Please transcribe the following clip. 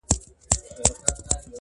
زه چي وګرځمه ځان کي جهان وینم,